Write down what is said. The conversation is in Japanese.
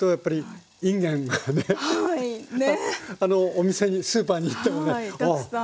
お店にスーパーに行ってもねああ